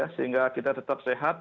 sehingga kita tetap sehat